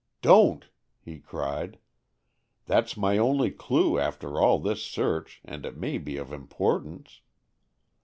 "Don't!" he cried. "That's my only clue, after all this search, and it may be of importance."